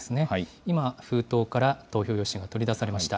今、封筒から投票用紙が取り出されました。